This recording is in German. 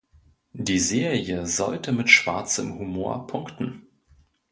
Die Serie sollte mit schwarzem Humor punkten.